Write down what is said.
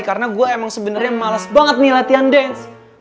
karena gue emang sebenernya males banget nih latihan dance